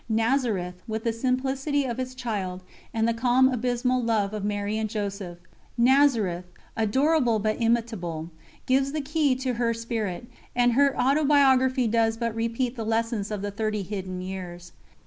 Nazareth, with the simplicity of its Child, and the calm abysmal love of Mary and Joseph Nazareth, adorable but imitable, gives the key to her spirit, and her Autobiography does but repeat the lessons of the thirty hidden years."